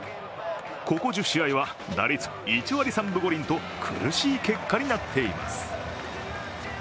ここ１０試合は打率１割３分５厘と苦しい結果になっています。